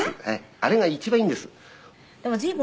あれが一番いいんです。